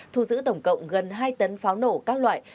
thu giữ tổng cộng gần hai tấn pháo nổ các loại